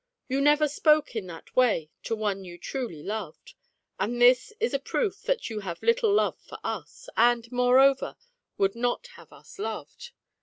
You never spoke in that way to one you truly loved, and this is a proof that you have little love for us, and, moreover, would not have us loved.